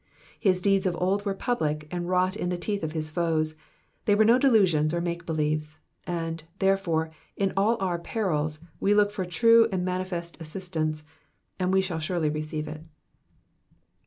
His deeds of old were public and wrought in the teeth of his foes, they were no delusions or make believes ; and, therefore, in all our perils we look for true and manifest assistance, and we shall surely receive it.